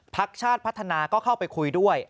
พักชาติพัฒนาก็เข้าไปคุยด้วย